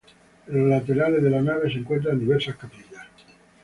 En los laterales de la nave se encuentran diversas capillas.